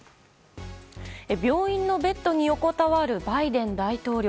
病院のベッドに横たわるバイデン大統領。